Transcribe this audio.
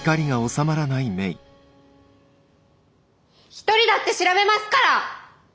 一人だって調べますから！